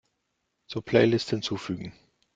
Zur Playlist hinzufügen.